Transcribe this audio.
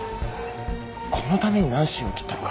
このためにナンシーを切ったのか？